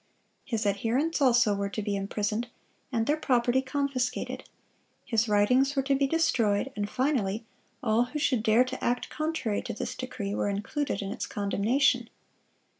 His adherents also were to be imprisoned, and their property confiscated. His writings were to be destroyed, and finally, all who should dare to act contrary to this decree were included in its condemnation.